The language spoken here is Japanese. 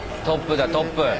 トップだトップ。